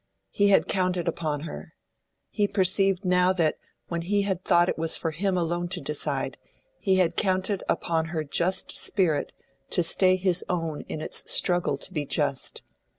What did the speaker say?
He had counted upon her; he perceived now that when he had thought it was for him alone to decide, he had counted upon her just spirit to stay his own in its struggle to be just.